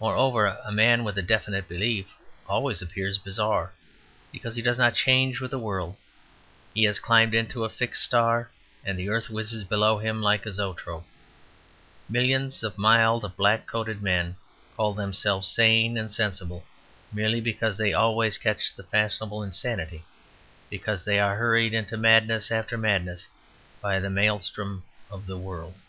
Moreover, a man with a definite belief always appears bizarre, because he does not change with the world; he has climbed into a fixed star, and the earth whizzes below him like a zoetrope. Millions of mild black coated men call themselves sane and sensible merely because they always catch the fashionable insanity, because they are hurried into madness after madness by the maelstrom of the world.